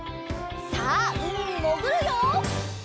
さあうみにもぐるよ！